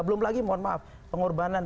belum lagi mohon maaf pengorbanan